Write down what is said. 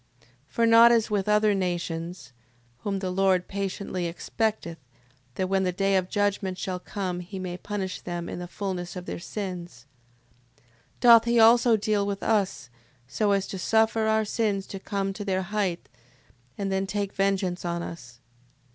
6:14. For, not as with other nations, (whom the Lord patiently expecteth, that when the day of judgment shall come, he may punish them in the fulness of their sins:) 6:15. Doth he also deal with us, so as to suffer our sins to come to their height, and then take vengeance on us.